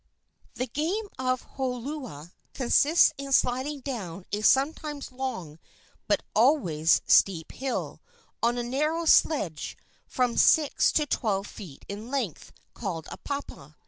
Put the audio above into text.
The game of holua consists in sliding down a sometimes long but always steep hill on a narrow sledge from six to twelve feet in length, called a papa.